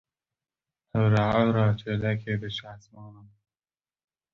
Oreora çêlekê diçe esmanan.